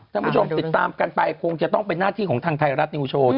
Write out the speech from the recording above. ท่านผู้ชมติดตามกันไปคงจะต้องเป็นหน้าที่ของทางไทยรัฐนิวโชว์